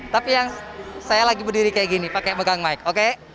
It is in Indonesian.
tapi yang saya lagi berdiri kayak gini pakai megang mic oke